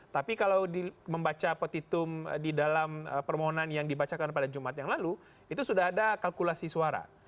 tapi kalau membaca petitum di dalam permohonan yang dibacakan pada jumat yang lalu itu sudah ada kalkulasi suara